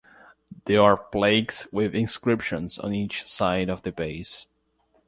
There are plaques with inscriptions on each side of the base.